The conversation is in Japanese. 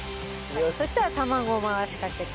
そしたら卵を回しかけて。